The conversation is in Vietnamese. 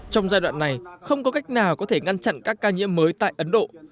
trong giai đoạn này không có cách nào có thể ngăn chặn các ca nhiễm mới tại ấn độ